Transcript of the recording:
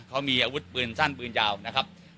เขามีอาวุธปืนสั้นปืนยาวนะครับ